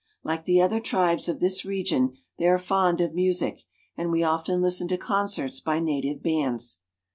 Like the other tribes of this region, they are fond of music ; and we often listen to concerts by native bands.